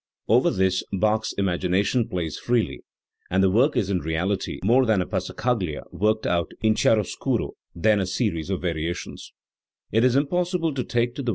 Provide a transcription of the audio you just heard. Over this Bach's imagination plays freely, and the work is in reality more a passacaglia worked out in chiaroscuro than a series of variations, It is impossible to take to the work at a first hearing.